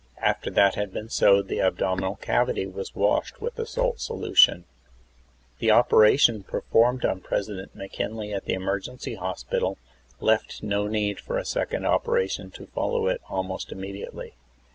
After that had been sewed the abdominal cavity was washed with a salt solution. 38 THE ASSASSINATION OF PRESIDENT McKINLEY. The operation performed on President McKinley at the emergency hospital left no need for a second operation to follow it almost immediately.